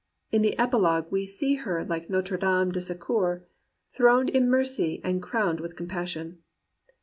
In the epilogue we see her like Notre Dame de Secours, throned in mercy and crowned with compassion.